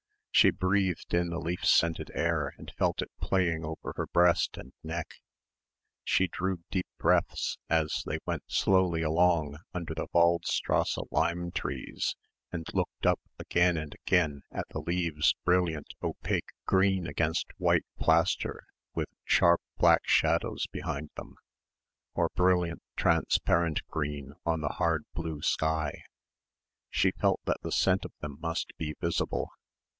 She breathed in the leaf scented air and felt it playing over her breast and neck. She drew deep breaths as they went slowly along under the Waldstrasse lime trees and looked up again and again at the leaves brilliant opaque green against white plaster with sharp black shadows behind them, or brilliant transparent green on the hard blue sky. She felt that the scent of them must be visible.